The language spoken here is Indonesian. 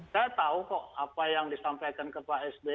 saya tahu kok apa yang disampaikan ke pak sby